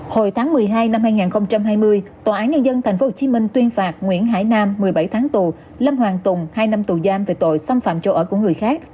hồi tháng một mươi hai năm hai nghìn hai mươi tòa án nhân dân tp hcm tuyên phạt nguyễn hải nam một mươi bảy tháng tù lâm hoàng tùng hai năm tù giam về tội xâm phạm chỗ ở của người khác